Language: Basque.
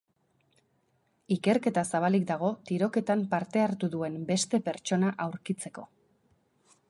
Ikerketa zabalik dago tiroketan parte hartu duen beste pertsona aurkitzeko.